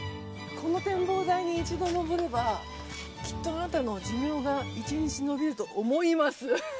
この展望台に一度登ればきっとあなたの寿命が１日延びると思います。